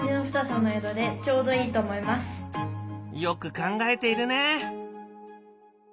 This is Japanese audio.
よく考えているね。